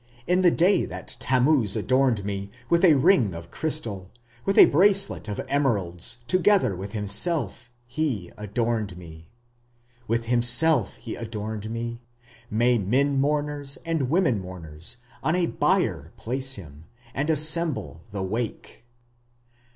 In the day that Tammuz adorned me, with a ring of crystal, With a bracelet of emeralds, together with himself, he adorned me, With himself he adorned me; may men mourners and women mourners On a bier place him, and assemble the wake.